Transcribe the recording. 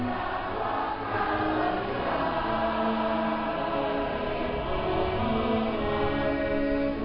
อาเมนอาเมน